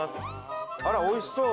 あらおいしそう！